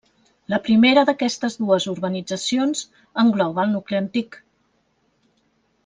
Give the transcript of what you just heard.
La primera d'aquestes dues urbanitzacions engloba el nucli antic.